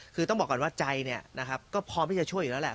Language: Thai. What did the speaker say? คือต้องบอกก่อนว่าใจเนี่ยนะครับก็พร้อมที่จะช่วยอยู่แล้วแหละ